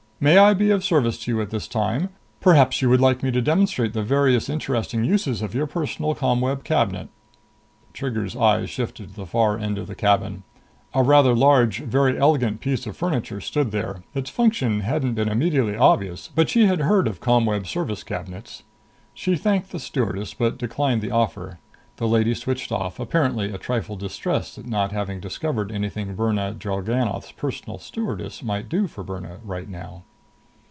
May I be of service to you at this time? Perhaps you would like me to demonstrate the various interesting uses of your personal ComWeb Cabinet?" Trigger's eyes shifted to the far end of the cabin. A rather large, very elegant piece of furniture stood there. Its function hadn't been immediately obvious, but she had heard of ComWeb Service Cabinets. She thanked the stewardess but declined the offer. The lady switched off, apparently a trifle distressed at not having discovered anything Birna Drellgannoth's personal stewardess might do for Birna right now.